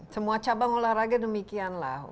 semua cabang olahraga demikian lah